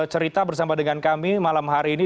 cerita bersama dengan kami malam hari ini